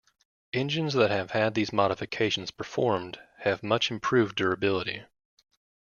Engines that have had these modifications performed have much improved durability.